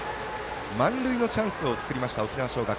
満塁のチャンスを作りました沖縄尚学。